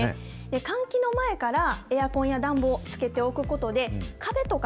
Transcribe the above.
換気の前からエアコンや暖房をつけておくことで、壁とか